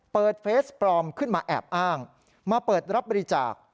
เฟสปลอมขึ้นมาแอบอ้างมาเปิดรับบริจาค